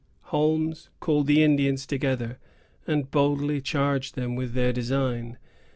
Holmes called the Indians together, and boldly charged them with their design.